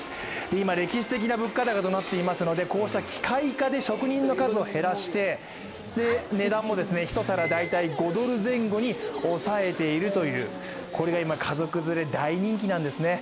今、歴史的な物価高となっていますので、こうした機械化で、職人の数を減らして値段も１皿５ドル前後に抑えているというこれが今、家族連れ大人気なんですね。